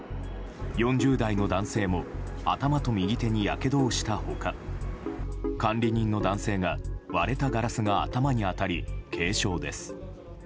４０代の男性も頭と右手にやけどをした他管理人の男性が割れたガラスが頭に当たり軽傷です。